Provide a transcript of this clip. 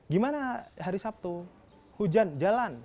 gimana hari sabtu hujan jalan